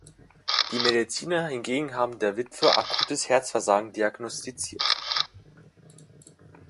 Die Mediziner hingegen haben der Witwe akutes Herzversagen diagnostiziert.